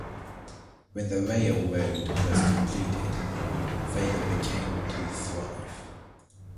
When the railroad was completed, Vega began to thrive.